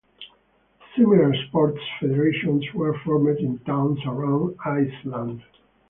Similar sports federations were formed in towns around Iceland.